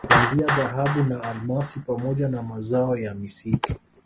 kuanzia Dhahabu na Almasi pamoja na mazao ya misitu